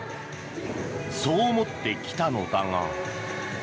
そう思ってきたのだが。